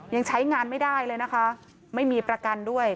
ยังใช้งานไม่ได้เลยนะคะไม่มีประกันด้วย